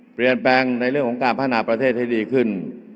เปลี่ยนแปลงในเรื่องของการพัฒนาประเทศให้ดีขึ้น